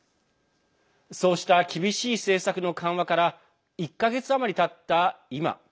そうした厳しい政策の緩和から１か月余りたった今。